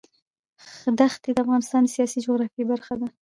ښتې د افغانستان د سیاسي جغرافیه برخه ده.